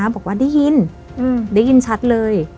บอกว่าได้ยินได้ยินชัดเลย